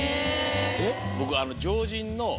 僕。